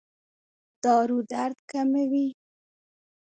دارو درد کموي؟